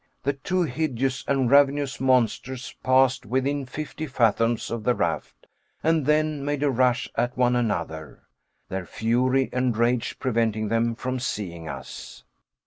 The two hideous and ravenous monsters passed within fifty fathoms of the raft, and then made a rush at one another their fury and rage preventing them from seeing us.